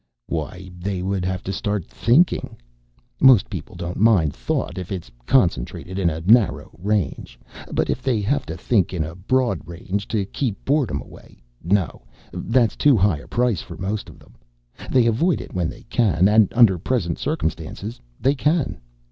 "Why, they would have to start thinking! Most people don't mind thought if it's concentrated in a narrow range. But if they have to think in a broad range to keep boredom away no, that's too high a price for most of them! They avoid it when they can. And under present circumstances they can."